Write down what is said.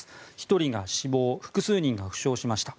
１人が死亡複数人が負傷しました。